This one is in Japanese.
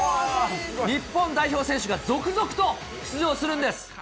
日本代表選手が続々と出場するんです。